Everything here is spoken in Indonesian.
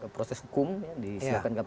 proses hukum disiapkan kpk